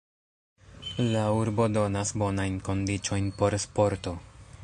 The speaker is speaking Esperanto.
La urbo donas bonajn kondiĉojn por sporto.